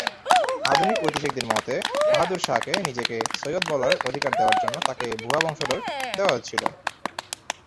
আধুনিক ঐতিহাসিকদের মতে বাহাদুর শাহকে নিজেকে সৈয়দ বলার অধিকার দেওয়ার জন্য তাঁকে এই ভুয়া বংশধর দেওয়া হয়েছিল।